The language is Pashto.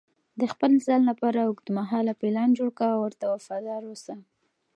د خپل ځان لپاره اوږدمهاله پلان جوړ کړه او ورته وفادار اوسه.